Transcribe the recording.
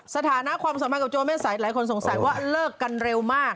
สถานะความสัมพันธ์กับโจแม่สายหลายคนสงสัยว่าเลิกกันเร็วมาก